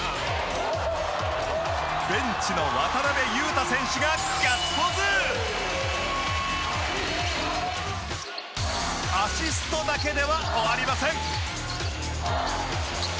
ベンチの渡邊雄太選手がアシストだけでは終わりません。